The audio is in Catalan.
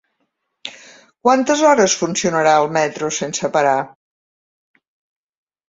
Quantes hores funcionarà el metro sense parar?